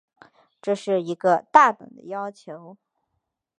这是一个大胆的要求。